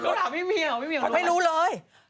เขาถามพี่เมียเหรอพี่เมียรู้เหรอไม่รู้เลย